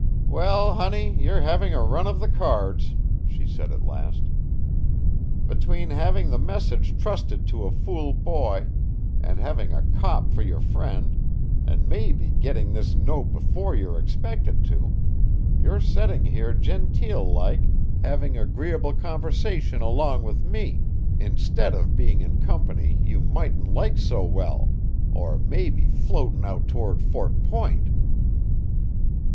"Well, honey, you're having a run of the cards," she said at last. "Between having the message trusted to a fool boy, and having a cop for your friend, an' maybe gitting this note before you're expected to, you're setting here genteel like having agreeable conversation along with me, instead of being in company you mightn't like so well or maybe floating out toward Fort Point."